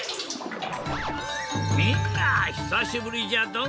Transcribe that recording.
みんなひさしぶりじゃドン！